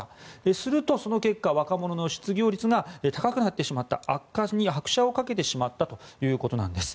するとその結果、若者の失業率が高くなってしまった悪化に拍車をかけてしまったということなんです。